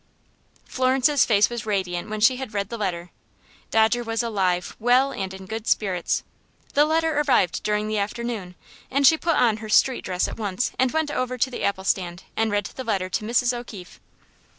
Florence's face was radiant when she had read the letter. Dodger was alive, well, and in good spirits. The letter arrived during the afternoon, and she put on her street dress at once and went over to the apple stand and read the letter to Mrs. O'Keefe.